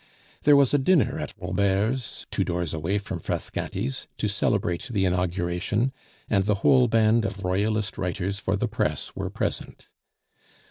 There was a dinner at Robert's, two doors away from Frascati's, to celebrate the inauguration, and the whole band of Royalist writers for the press were present.